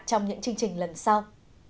trong những chương trình lần sau